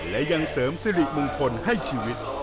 และยังเสริมสิริมงคลให้ชีวิต